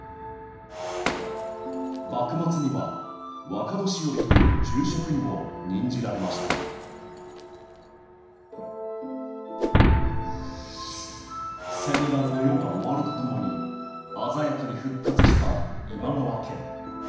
幕末には若年寄という重職にも任じられました戦乱の世が終わるとともに鮮やかに復活した今川家。